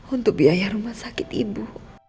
untuk biaya rumah sakit ibu